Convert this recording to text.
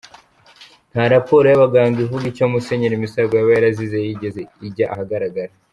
Nta raporo y’abaganga ivuga icyo Musenyeli Misago yaba yarazize yigeze ijya ahagaragara.